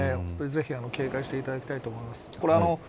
ぜひ、警戒していただきたいと思います。